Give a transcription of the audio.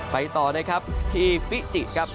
ไปต่อนะครับที่ฟิจิครับ